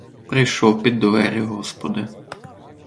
Прийшов під двері господи.